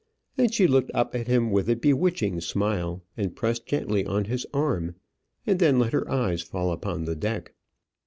And she looked up at him with a bewitching smile, and pressed gently on his arm, and then let her eyes fall upon the deck.